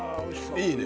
いいね。